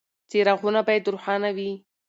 څراغونه باید روښانه وي.